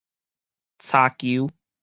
柴球